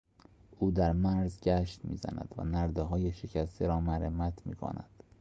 او در مرز گشت می زند و نردههای شکسته را مرمت می کند.